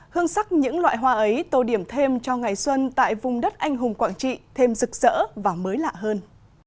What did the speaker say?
hương sắc những loại hoa ấy tô điểm thêm cho ngày xuân tại vùng đất anh hùng quảng trị thêm rực rỡ và mới lạ hơn